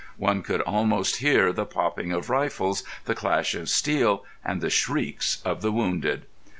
One could almost hear the popping of rifles, the clash of steel, and the shrieks of the wounded.